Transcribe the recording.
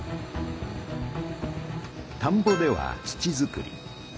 たんぼでは土づくり。